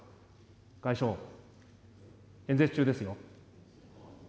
外相、演説中ですよ。